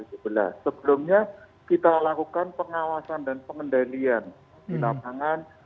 sebelumnya kita lakukan pengawasan dan pengendalian di lapangan